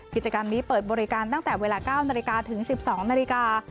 กิจกรรมนี้เปิดบริการตั้งแต่เวลา๙นาฬิกาถึง๑๒นาฬิกา